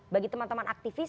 bagi teman teman aktivis